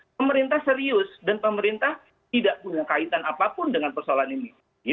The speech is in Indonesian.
pemerintah serius dan pemerintah tidak punya kaitan apapun dengan persoalan ini